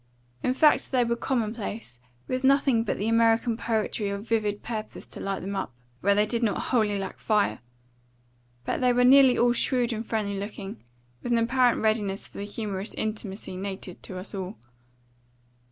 In face they were commonplace, with nothing but the American poetry of vivid purpose to light them up, where they did not wholly lack fire. But they were nearly all shrewd and friendly looking, with an apparent readiness for the humorous intimacy native to us all.